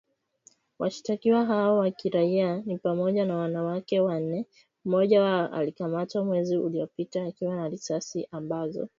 Washtakiwa hao wa kiraia ni pamoja na wanawake wanne, mmoja wao alikamatwa mwezi uliopita akiwa na risasi ambazo